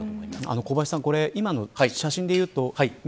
小林さん、今の写真で言うと右